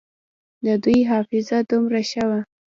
د دوى حافظه دومره ښه وه.